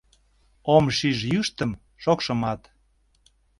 Ом шиж йӱштым, шокшымат.